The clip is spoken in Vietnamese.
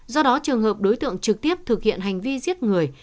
do đó trường hợp đối tượng trực tiếp thực hiện hành vi giết người